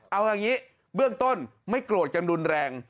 เอาอย่างนี้เบื้องต้นไม่โกรธกันรุนแรง